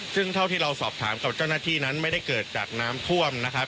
ซึ่งเท่าที่เราสอบถามกับเจ้าหน้าที่นั้นไม่ได้เกิดจากน้ำท่วมนะครับ